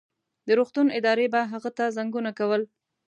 د روغتون ادارې به هغه ته زنګونه کول.